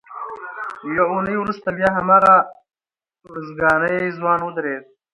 یوه اونۍ وروسته بیا هماغه ارزګانی ځوان ودرېد.